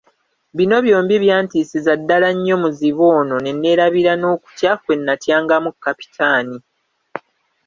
Bino byombi byantiisiza ddala nnyo muzibe ono ne nneerabira n'okutya kwe natyangamu Kapitaani.